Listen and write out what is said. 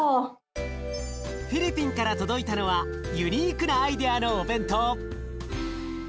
フィリピンから届いたのはユニークなアイデアのお弁当。